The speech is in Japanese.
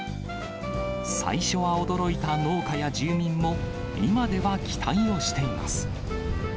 最初は驚いた農家や住民も、今では期待をしています。